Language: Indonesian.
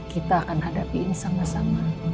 kita akan hadapi ini sama sama